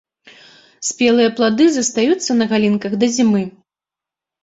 Спелыя плады застаюцца на галінках да зімы.